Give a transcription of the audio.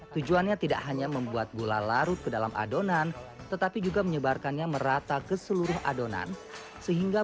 tujuannya tidak hanya membuat gula larut ke dalam adonan tetapi juga menyebarkannya merata ke seluruh adonan sehingga